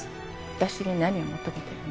私に何を求めてるの？